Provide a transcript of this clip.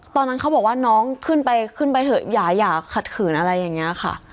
ตอนนั้นเขาบอกว่าน้องขึ้นไปขึ้นไปเถอะอย่าขัดขืนอะไรอย่างนี้ค่ะ